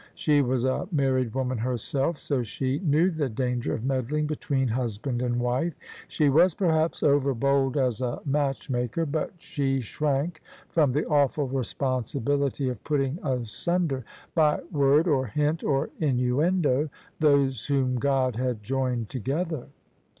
She was a married woman herself, so she knew the danger of meddling between husband and wife. She was perhaps overbold as a matchmaker; but she [ 230 ] OF ISABEL CARNABY shrank from the awful responsibility of putting asunder — by word or hint or innuendo— those whom God had joined together.